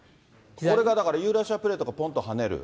これがだからユーラシアプレートがぽんと跳ねる。